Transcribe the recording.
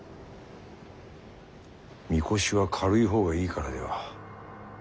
神輿は軽い方がいいからでは？